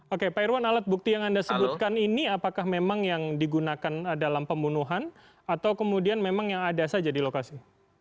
oke pak irwan alat bukti yang anda sebutkan ini apakah memang yang digunakan dalam pembunuhan atau kemudian memang yang ada saja di lokasi